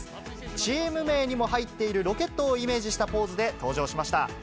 チーム名にも入っているロケットをイメージしたポーズで、登場しました。